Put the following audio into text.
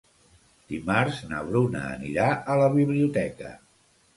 Dimarts na Bruna anirà a la biblioteca.